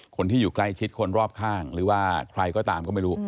คนที่อยู่ใกล้ชิดคนรอบข้างหรือว่าใครก็ตามก็ไม่รู้